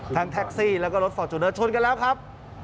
แท็กซี่แล้วก็รถฟอร์จูเนอร์ชนกันแล้วครับ